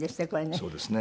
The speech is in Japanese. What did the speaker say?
そうですね。